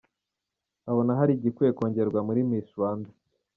Abona hari igikwiye kongerwa muri Miss Rwanda .